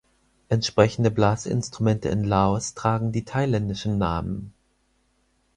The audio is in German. Entsprechende Blasinstrumente in Laos tragen die thailändischen Namen.